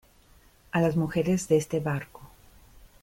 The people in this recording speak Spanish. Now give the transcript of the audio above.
a las mujeres de este barco.